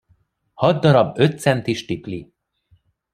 Hat darab öt centis tipli.